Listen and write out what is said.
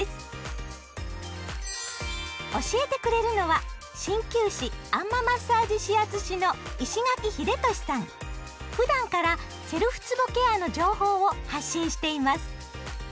教えてくれるのは鍼灸師あん摩マッサージ指圧師のふだんからセルフつぼケアの情報を発信しています。